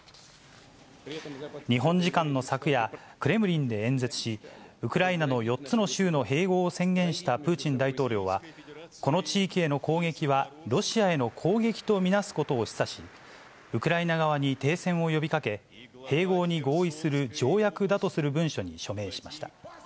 日本時間の昨夜、クレムリンで演説し、ウクライナの４つの州の併合を宣言したプーチン大統領は、この地域への攻撃は、ロシアへの攻撃と見なすことを示唆し、ウクライナ側に停戦を呼びかけ、併合に合意する条約だとする文書に署名しました。